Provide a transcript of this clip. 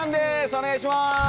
お願いします！